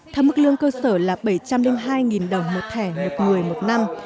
theo mức lương cơ sở là bảy trăm linh hai đồng một thẻ một người một năm